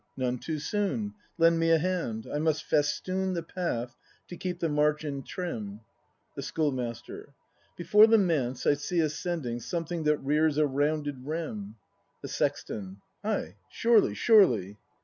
None too soon. Lend me a hand; I must festoon The path, to keep the march in trim. The Schoolmaster. Before the Manse I see ascend ins: Something that rears a rounded rim The Sexton. Ay, surely, surely!